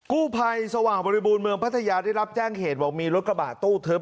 กู้ภัยสว่างบริบูรณ์เมืองพัทยาได้รับแจ้งเหตุบอกมีรถกระบะตู้ทึบ